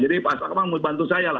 jadi mas akmal mau bantu saya lah